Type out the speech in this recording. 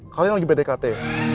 kalian lagi berdekate